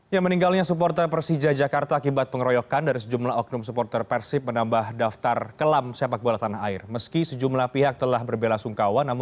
yang meninggalnya supporter persija jakarta akibat pengeroyokan dari sejumlah oknum supporter persib menambah daftar kelam